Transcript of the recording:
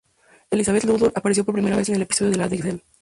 Elizabeth Ludlow apareció por primera vez en el episodio de la "The Cell".